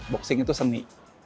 boxing itu seni